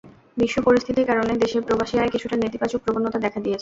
বিশ্ব পরিস্থিতির কারণে দেশের প্রবাসী আয়ে কিছুটা নেতিবাচক প্রবণতা দেখা দিয়েছে।